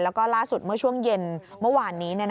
แล้วก็ล่าสุดเมื่อช่วงเย็นเมื่อวานนี้